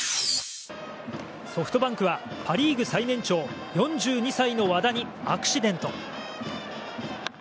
ソフトバンクはパ・リーグ最年長４２歳の和田にアクシデント。